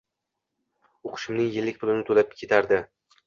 Oʻqishimning yillik pulini toʻlab ketardi.